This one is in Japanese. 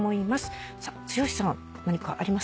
剛さん何かありますか？